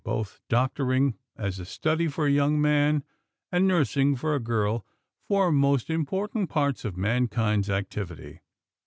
Both doctoring as a study for a young man, and nursing for a girl form most important parts of Mankind's activity.